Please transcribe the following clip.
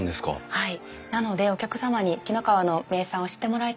はい。